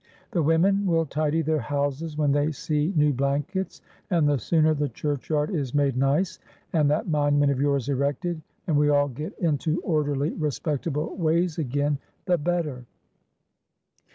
The women will tidy their houses when they see new blankets, and the sooner the churchyard is made nice, and that monument of yours erected, and we all get into orderly, respectable ways again, the better."